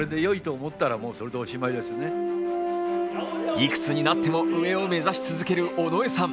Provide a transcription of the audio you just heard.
いくつになっても上を目指し続ける尾上さん。